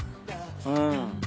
うん。